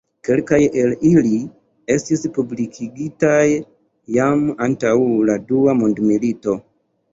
Kelkaj el ili estis publikigitaj jam antaŭ la dua mondmilito.